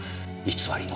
偽り？